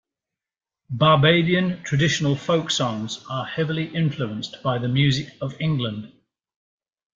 Barbadian traditional folk songs are heavily influenced by the music of England.